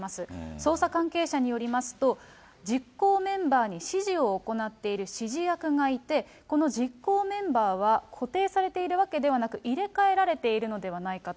捜査関係者によりますと、実行メンバーに指示を行っている指示役がいて、この実行メンバーは固定されているわけではなく、入れ替えられているのではないかと。